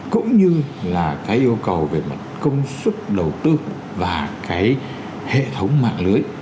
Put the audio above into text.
cũng như là cái yêu cầu về mặt công suất đầu tư và cái hệ thống mạng lưới